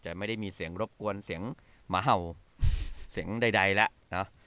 จะไม่ได้มีเสียงรบกวนเสียงเหมาเสียงใดแล้ว